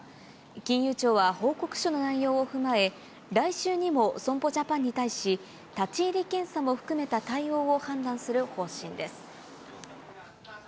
金融庁は報告書の内容を踏まえ、来週にも損保ジャパンに対し、立ち入り検査も含めた対応を判断する方針です。